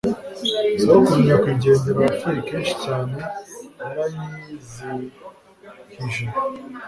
Sogokuru nyakwigendera wapfuye kenshi cyane yaranyizihije